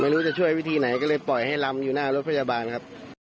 ไม่รู้จะช่วยวิธีไหนก็เลยปล่อยให้ลำอยู่หน้ารถพยาบาลครับ